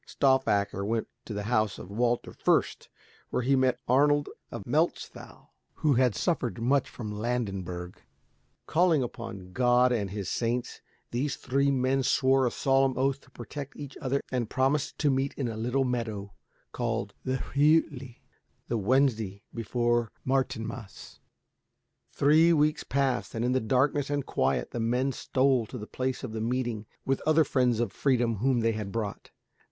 Stauffacher went to the house of Walter Fürst, where he met Arnold of Melchthal, who had suffered much from Landenberg. Calling upon God and his saints, these three men swore a solemn oath to protect each other and promised to meet in a little meadow called the Rütli, the Wednesday before Martinmas. Three weeks passed, and in the darkness and quiet the men stole to the place of meeting with other friends of freedom whom they had brought.